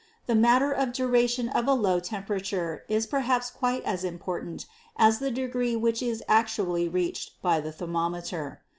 The matter of duration of a low temperature is perhaps quite as important as the degree which is actually reached by the thermometer.